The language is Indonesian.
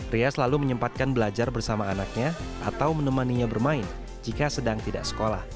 ria selalu menyempatkan belajar bersama anaknya atau menemaninya bermain jika sedang tidak sekolah